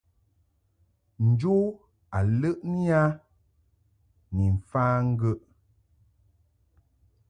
Njo a ləʼni a ni mfa ŋgəʼ.